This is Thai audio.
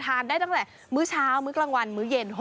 ได้ตั้งแต่มื้อเช้ามื้อกลางวันมื้อเย็น